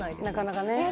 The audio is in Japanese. なかなかね。